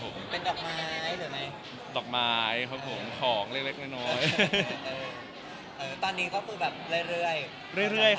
ก็มีกันบ้างนิดหน่อย